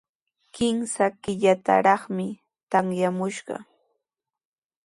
Kimsa killataraqmi tamyamushqa.